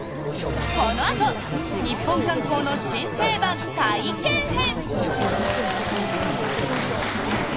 このあとニッポン観光の新定番、体験編。